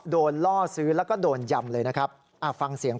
ล่อซื้อแล้วก็โดนยำเลยนะครับฟังเสียง